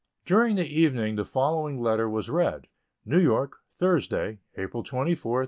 During the evening the following letter was read: NEW YORK, Thursday, April 24, 1856.